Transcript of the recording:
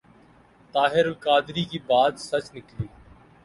طاہر القادری کی بات سچ نکلی ۔